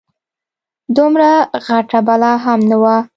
دومره غټه بلا هم نه وه.